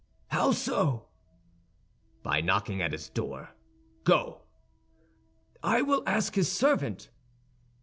"How so?" "By knocking at his door. Go." "I will ask his servant."